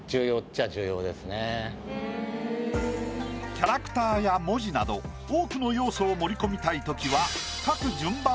キャラクターや文字など多くの要素を盛り込みたい時は。